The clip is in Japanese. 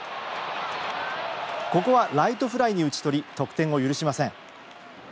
ここはライトフライに打ち取り得点を許しません。